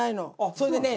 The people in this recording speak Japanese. それでね